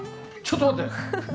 ちょっと待って。